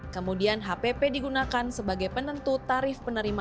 kemudian hpp digunakan sebagai penentu tarif penerimaan